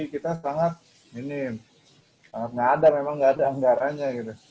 kita sangat minim sangat gak ada memang gak ada anggarannya